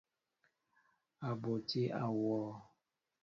A ɓotí awɔɔ.